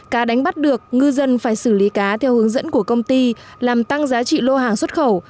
cá đánh bắt được ngư dân phải xử lý cá theo hướng dẫn của công ty làm tăng giá trị lô hàng xuất khẩu